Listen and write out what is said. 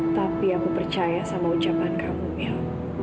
tapi aku percaya sama ucapan kamu mil